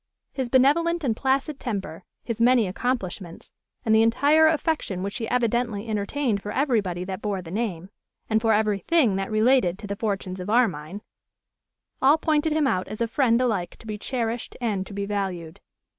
His benevolent and placid temper, his many accomplishments, and the entire affection which he evidently entertained for everybody that bore the name, and for everything that related to the fortunes of Armine, all pointed him out as a friend alike to be cherished and to be valued.